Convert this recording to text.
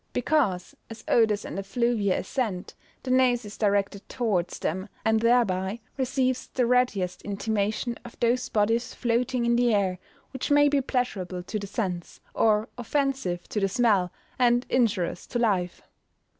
_ Because, as odours and effluvia ascend, the nose is directed towards them, and thereby receives the readiest intimation of those bodies floating in the air which may be pleasurable to the sense, or offensive to the smell, and injurious to life.